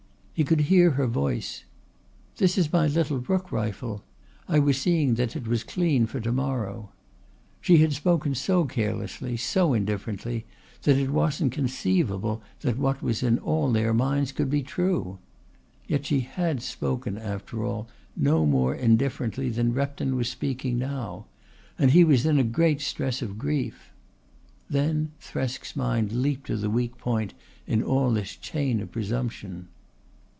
He could hear her voice: "This is my little rook rifle. I was seeing that it was clean for to morrow." She had spoken so carelessly, so indifferently that it wasn't conceivable that what was in all their minds could be true. Yet she had spoken, after all, no more indifferently than Repton was speaking now; and he was in a great stress of grief. Then Thresk's mind leaped to the weak point in all this chain of presumption.